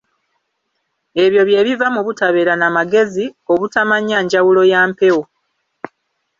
Ebyo bye biva mu butabeera na magezi, obutamanya njawulo ya mpewo.